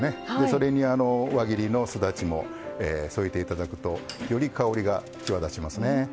それに輪切りのすだちも添えていただくとより香りが際立ちますね。